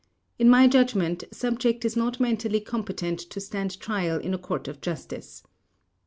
In my judgment subject is not mentally competent to stand trial in a court of justice.